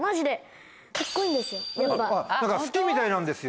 好きみたいなんですよ